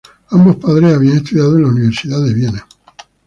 Ambos padres habían estudiado en la Universidad de Viena.